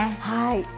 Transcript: はい！